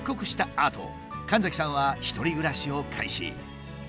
あと神崎さんは１人暮らしを開始。